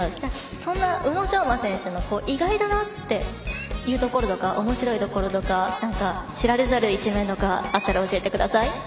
そんな宇野昌磨選手の意外だなって思うところとかおもしろいところとか知られざる一面とかあったら教えてください。